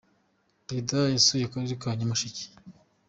perezida yasuye akarere ka nyamasheke.